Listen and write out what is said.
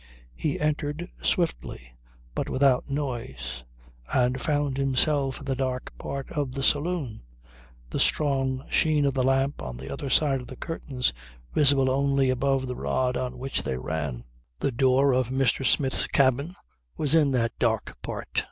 He entered swiftly but without noise and found himself in the dark part of the saloon, the strong sheen of the lamp on the other side of the curtains visible only above the rod on which they ran. The door of Mr. Smith's cabin was in that dark part.